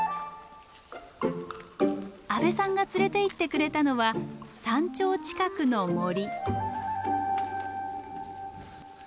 阿部さんが連れていってくれたのは山頂近くの森。